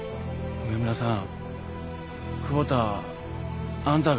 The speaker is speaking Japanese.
上村さん！